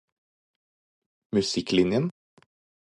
musikklinjen